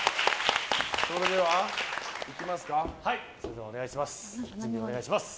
それでは準備お願いします。